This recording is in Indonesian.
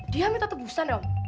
dia minta tebusan ya om